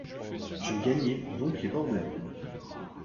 Je gagnai donc les bords de l’Elbe.